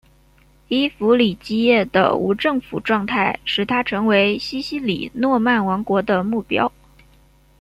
伊弗里基叶的无政府状态使它成为西西里诺曼王国的目标。